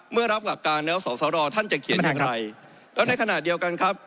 รับหลักการแล้วสอสรท่านจะเขียนอย่างไรแล้วในขณะเดียวกันครับ